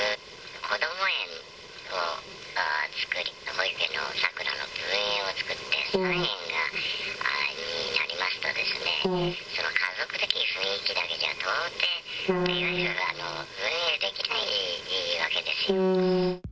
こども園を、保育園のさくらの分園を作って、３園になりますとですね、家族的雰囲気だけじゃ到底運営できないわけですよ。